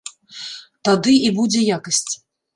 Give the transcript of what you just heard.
Тады і будзе якасць!